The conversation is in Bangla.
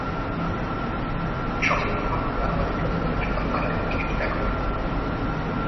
সবচেয়ে মূল্যবান গোলটি আরামবাগের বিপক্ষে ফেডারেশন কাপের ফাইনালে, জয়সূচক একমাত্র গোল।